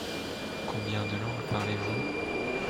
Combien de langues parlez-vous ?